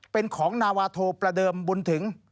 เป็นของนาวาโทประเดิมบุญถึง